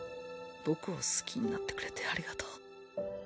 僕を好きになってくれてありがとう。